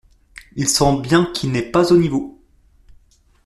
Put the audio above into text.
Il sent bien qu’il n’est pas au niveau.